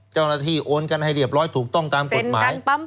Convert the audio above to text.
เจ้าหน้าที่โอนกันให้เรียบร้อยถูกต้องตามกฎหมาย